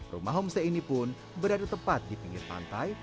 rumah homestay ini pun berada tepat di pinggir pantai